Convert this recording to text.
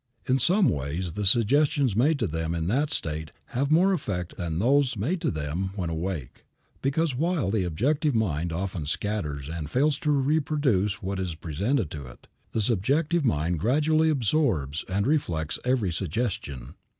In some ways the suggestions made to them in that state have more effect than those made to them when awake, because while the objective mind often scatters and fails to reproduce what is presented to it, the subjective mind gradually absorbs and reflects every suggestion.